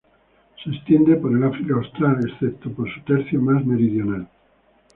Se extiende por el África austral, excepto por su tercio más meridional.